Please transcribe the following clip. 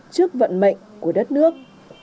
trước vận mệnh của đất nước